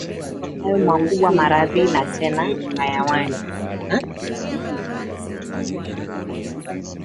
Hayo makubwa maradhi, na tena uhayawani